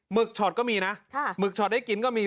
ึกช็อตก็มีนะหมึกช็อตได้กินก็มี